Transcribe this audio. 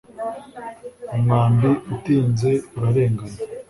umwambi utinze urarengana